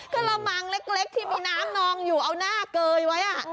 กระมังเล็กที่มีน้ำนองอยู่เอาหน้าเกยไว้